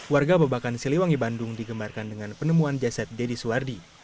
warga babakan siliwangi bandung digembarkan dengan penemuan jasad deddy suwardi